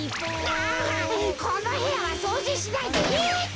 ああっこのへやはそうじしないでいいって。